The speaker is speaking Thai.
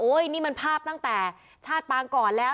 นี่มันภาพตั้งแต่ชาติปางก่อนแล้ว